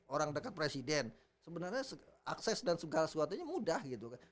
orang dekat presiden sebenarnya akses dan segala sesuatunya mudah gitu kan